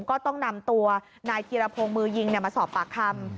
ก็ต้องนำตัวนายธีรพงศ์มือยิงมาสอบปากคำ